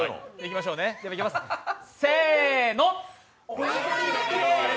せーの。